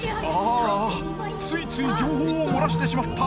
あついつい情報を漏らしてしまった明。